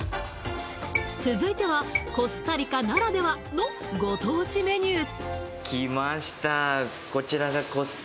続いてはコスタリカならではのご当地メニュー